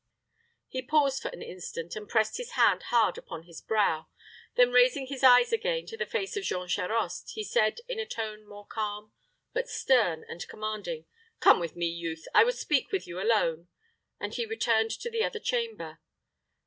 He paused for an instant, and pressed his hand hard upon his brow; then raising his eyes again to the face of Jean Charost, he said, in a tone more calm, but stern and commanding, "Come with me, youth I would speak with you alone;" and he returned to the other chamber.